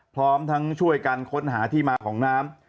พร้อมทั้งช่วยกันค้นหาที่มาของน้ำ